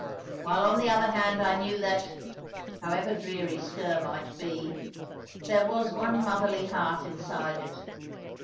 While on the other hand I knew that (however dreary Sker might be) there was one motherly heart inside it.